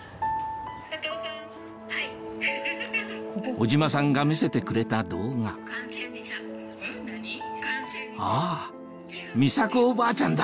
小島さんが見せてくれた動画あぁみさ子おばあちゃんだ！